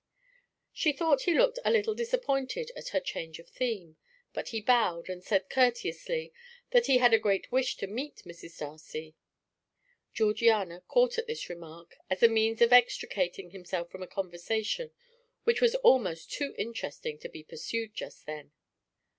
She thought he looked a little disappointed at her change of theme, but he bowed, and said courteously that he had a great wish to meet Mrs. Darcy. Georgiana caught at this remark as a means of extricating himself from a conversation which was almost too interesting to be pursued just then.